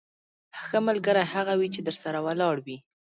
ښه ملګری هغه وي چې درسره ولاړ وي.